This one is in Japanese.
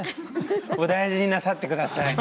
お大事になさってください。